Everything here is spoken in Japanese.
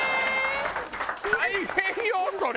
大変よそれ。